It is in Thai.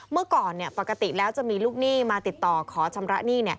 เมื่อก่อนปกติแล้วจะมีลูกหนี้มาติดต่อขอชำระหนี้